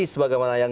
sebagai mana yang